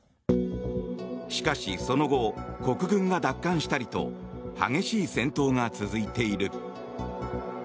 しかし、その後国軍が奪還したりと激しい戦闘が続いている。